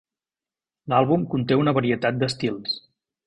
L'àlbum conté una varietat d'estils.